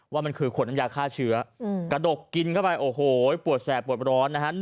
ว่ามันคือขนน้ำยาฆ่าเชื้อกระดกกินเข้าไปโอ้โหปวดแสบปวดร้อนนะฮะ